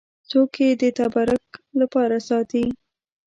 څوک یې د تبرک لپاره ساتي.